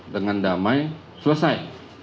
dengan damai selesai